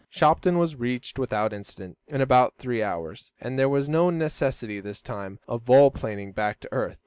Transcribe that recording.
Shopton was reached without incident, in about three hours, and there was no necessity, this time, of vol planing back to earth.